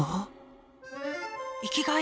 生きがい！